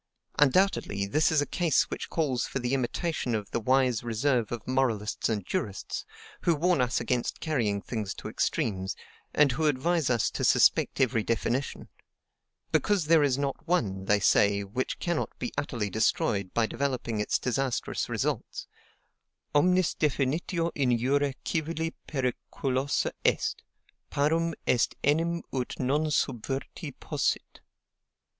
Undoubtedly, this is a case which calls for imitation of the wise reserve of moralists and jurists, who warn us against carrying things to extremes, and who advise us to suspect every definition; because there is not one, they say, which cannot be utterly destroyed by developing its disastrous results Omnis definitio in jure civili periculosa est: parum est enim ut non subverti possit.